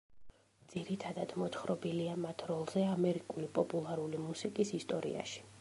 ძირითადად, მოთხრობილია მათ როლზე ამერიკული პოპულარული მუსიკის ისტორიაში.